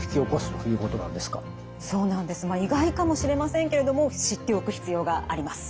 意外かもしれませんけれども知っておく必要があります。